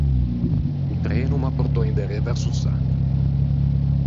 O treno o m’à portou inderê verso Saña.